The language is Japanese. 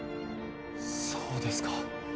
そうですか。